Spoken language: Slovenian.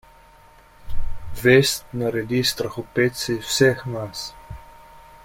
Vest naredi strahopetce iz vseh nas.